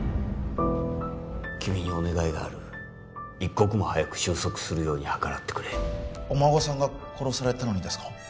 君にお願いがある一刻も早く収束するように計らってくれお孫さんが殺されたのにですか？